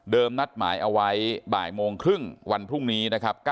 นัดหมายเอาไว้บ่ายโมงครึ่งวันพรุ่งนี้นะครับ